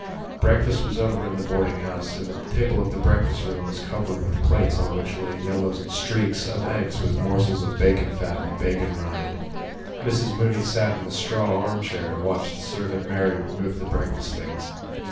Breakfast was over in the boarding house and the table of the breakfast room was covered with plates on which lay yellow streaks of eggs with morsels of bacon fat and bacon rind. Mrs Mooney sat in the straw arm chair and watched the servant Mary remove the breakfast things.